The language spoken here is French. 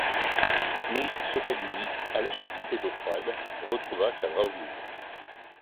Mais il sauta du lit, alla se tremper d'eau froide, retrouva sa bravoure.